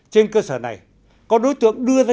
trên cơ sở này có đối tượng đưa ra